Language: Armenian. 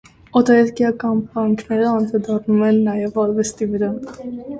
Օտարերկրյա կապանքները անդրադառնում են նաև արվեստի վրա։